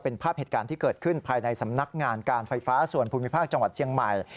เป็นภาพเหตุการณ์ที่เกิดขึ้นภายในสำนักงานการไฟฟ้าส่วนภูมิภาคจังหวัดเชียงใหม่